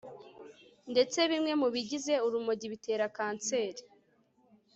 Ndetse bimwe mu bigize urumogi bitera kanseri